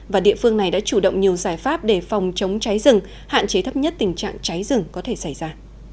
và địa phương này đã chủ động nhiều giải pháp để phòng chống cháy rừng hạn chế thấp nhất tình trạng cháy rừng có thể xảy ra